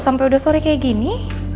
sampai udah sore kayak gini